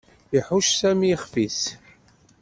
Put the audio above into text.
Ihucc Sami ixef-is.